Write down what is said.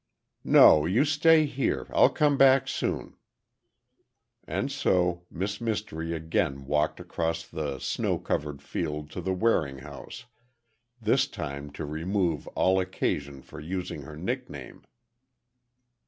"No, you stay here. I'll come back soon." And so Miss Mystery again walked across the snow covered field to the Waring house, this time to remove all occasion for using her nickname.